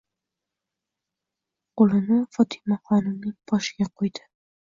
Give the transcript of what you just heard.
Qo'lini Fotimaxonimning boshiga qo'yli.